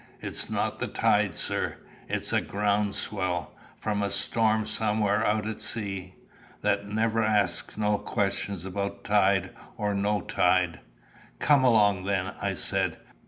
It's not the tide, sir; it's a ground swell from a storm somewhere out at sea. That never asks no questions about tide or no tide." "Come along, then," I said.